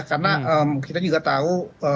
karena kita juga tahu